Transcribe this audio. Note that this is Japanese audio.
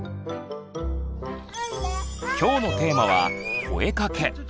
きょうのテーマは「声かけ」。